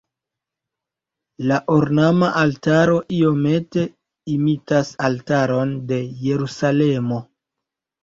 La ornama altaro iomete imitas altaron de Jerusalemo.